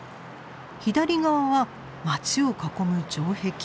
左側は街を囲む城壁。